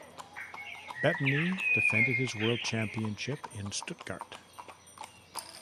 Bettini defended his world championship in Stuttgart.